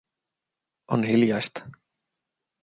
On hiljaista.